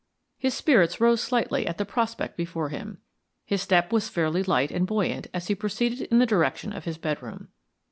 His spirits rose slightly at the prospect before him; his step was fairly light and buoyant as he proceeded in the direction of his bedroom.